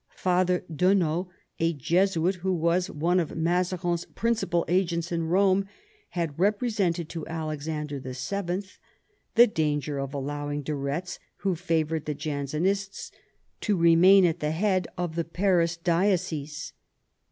Father Duneau, a Jesuit who was one of Mazarin's principal agents in Rome, had represented to Alexander VII. the danger of allowing de Retz, who favoured the Jansenists, to remain at the head of the Paris diocese.